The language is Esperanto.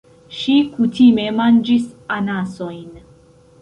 Ŝi kutime manĝis anasojn.